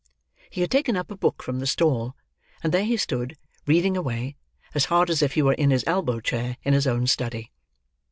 He had taken up a book from the stall, and there he stood, reading away, as hard as if he were in his elbow chair, in his own study.